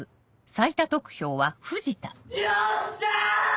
よっしゃ！